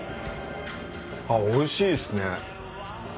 あっおいしいですね。